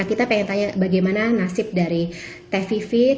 nah kita pengen tanya bagaimana nasib dari teh vivid